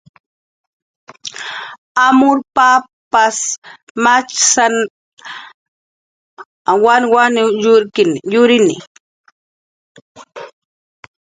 La inmigración libanesa y siria tendría un papel relevante en la Masonería costarricense.